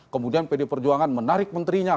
kemudian pd perjuangan menarik menterinya